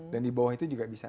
dan di bawah itu juga bisa